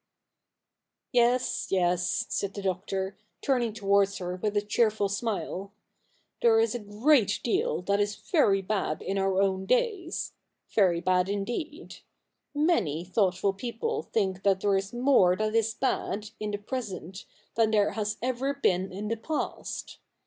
' Yes — yes,' said the Doctor, turning towards her with a cheerful smile, ' there is a great deal that is very bad in our own days — very bad indeed. Many thoughtful people think that there is more that is bad in the present than there has ever been in the past.